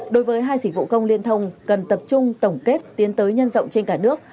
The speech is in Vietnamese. đối với hai dịch vụ công liên thông cần tập trung tổng kết tiến tới nhân rộng trên cả nước